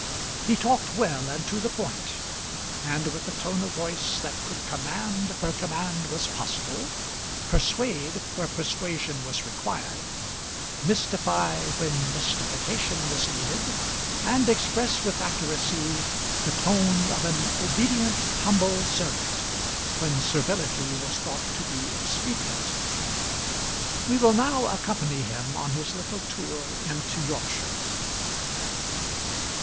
He talked well and to the point, and with a tone of voice that could command where command was possible, persuade where persuasion was required, mystify when mystification was needed, and express with accuracy the tone of an obedient humble servant when servility was thought to be expedient. We will now accompany him on his little tour into Yorkshire.